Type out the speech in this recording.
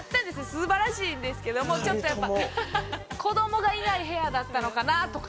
すばらしいんですけどもちょっとやっぱ子供がいない部屋だったのかなとか。